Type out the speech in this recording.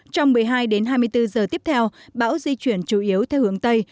trong một mươi hai đến hai mươi bốn giờ tiếp theo bão di chuyển chủ yếu theo hướng tây